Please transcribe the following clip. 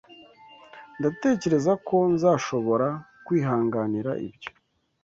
Ndatekereza ko nzashobora kwihanganira ibyo.